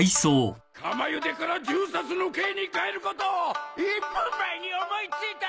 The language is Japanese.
釜ゆでから銃殺の刑に変えることを１分前に思い付いた！